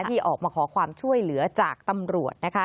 ที่ออกมาขอความช่วยเหลือจากตำรวจนะคะ